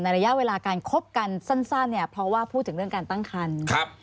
ระยะเวลาการคบกันสั้นเนี่ยเพราะว่าพูดถึงเรื่องการตั้งคันครับ